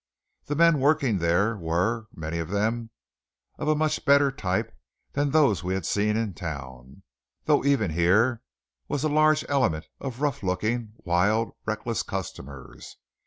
The men working there were, many of them, of a much better type than those we had seen in town; though even here was a large element of rough looking, wild, reckless customers.